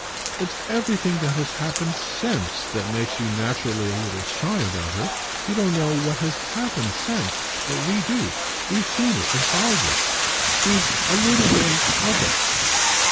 "It's everything that has happened SINCE that makes you naturally a little shy about her. You don't know what has happened since, but we do; we've seen it and followed it; we've a little been OF it."